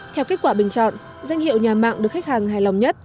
theo kết quả bình chọn danh hiệu nhà mạng được khách hàng hài lòng nhất